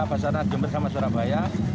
basarnas jember sama surabaya